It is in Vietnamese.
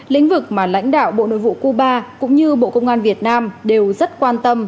lĩnh vực mà lãnh đạo bộ nội vụ cuba cũng như bộ công an việt nam đều rất quan tâm